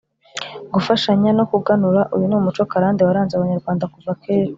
gufashanya no kuganura. uyu ni umuco karande waranze abanyarwanda kuva kera